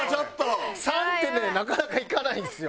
３ってなかなかいかないんですよ。